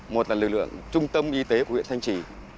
một là lực lượng trung tâm y tế của bệnh viện thanh trì